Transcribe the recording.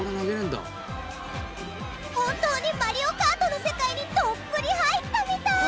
本当に『マリオカート』の世界にどっぷり入ったみたい！